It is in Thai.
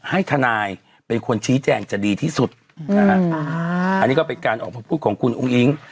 ให้ทนายเป็นคนชี้แจงจะดีที่สุดนะฮะอันนี้ก็เป็นการออกมาพูดของคุณอุ้งอิ๊ง